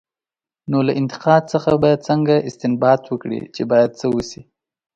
نو له انتقاد څخه به څنګه استنباط وکړي، چې باید څه وشي؟